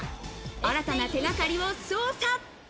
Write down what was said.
新たな手掛かりを捜査。